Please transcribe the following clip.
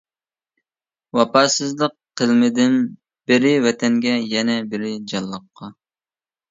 ۋاپاسىزلىق قىلمىدىم بىرى ۋەتەنگە، يەنە بىرى جانلىققا.